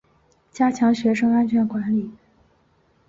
加强学生安全管理